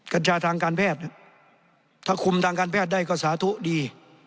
กัญชาทางการแพทย์ถ้าคุมทางการแพทย์ได้ก็สาธุดี